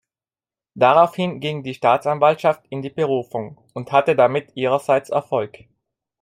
Daraufhin ging die Staatsanwaltschaft in die Berufung und hatte damit ihrerseits Erfolg.